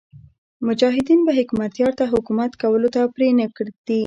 مجاهدین به حکمتیار ته حکومت کولو ته پرې نه ږدي.